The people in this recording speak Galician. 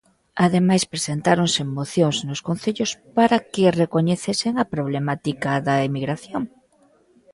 Ademais presentáronse mocións nos concellos para que recoñecesen a problemática da emigración.